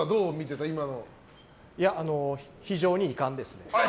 非常に遺憾ですね。